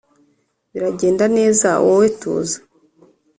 biragenda neza wowe tuza.